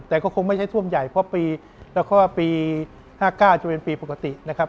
แต่ก็คงไม่ใช่ท่วมใหญ่เพราะปีแล้วก็ปี๕๙จะเป็นปีปกตินะครับ